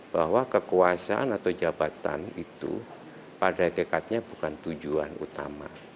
bahwa kekuasaan atau jabatan itu pada dekatnya bukan tujuan utama